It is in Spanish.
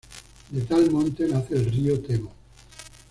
De tal monte nace el río Temo.